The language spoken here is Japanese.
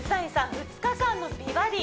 ２日間の「美バディ」